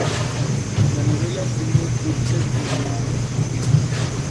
La novela ha obtenido críticas generalmente positivas.